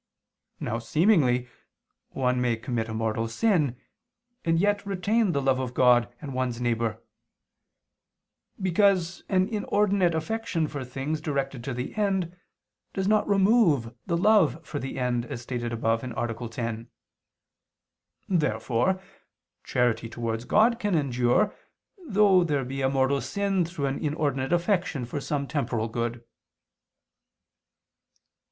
Now, seemingly, one may commit a mortal sin, and yet retain the love of God and one's neighbor; because an inordinate affection for things directed to the end, does not remove the love for the end, as stated above (A. 10). Therefore charity towards God can endure, though there be a mortal sin through an inordinate affection for some temporal good.